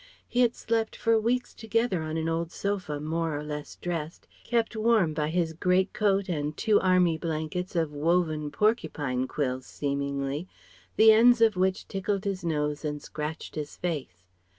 He had slept for weeks together on an old sofa more or less dressed, kept warm by his great coat and two Army blankets of woven porcupine quills (seemingly) the ends of which tickled his nose and scratched his face.